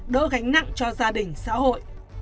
đỡ gánh nặng cho gia đình xã hội